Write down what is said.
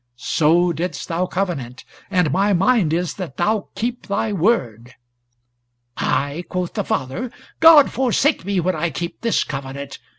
So didst thou covenant, and my mind is that thou keep thy word." "I!" quoth the father, "God forsake me when I keep this covenant!